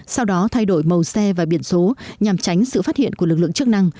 sau đó thay đổi màu xe và biển số nhằm tránh sự phát hiện của lực lượng chức năng